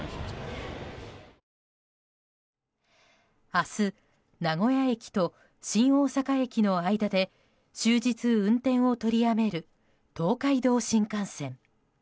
明日、名古屋駅と新大阪駅の間で終日運転を取りやめる東海道新幹線。